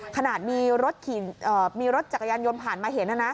ขนาดมีรถจักรยานยนต์ผ่านมาเห็น